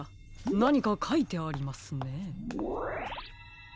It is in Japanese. なにかかいてありますね。